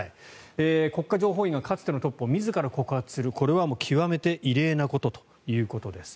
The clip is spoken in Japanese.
国家情報院がかつてのトップを自ら告発するこれは極めて異例なことということです。